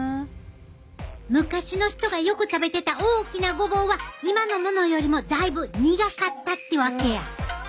昔の人がよく食べてた大きなごぼうは今のものよりもだいぶ苦かったってわけや。